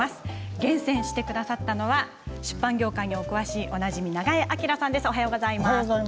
厳選してくださったのは出版業界に詳しいおなじみ、永江朗さんです。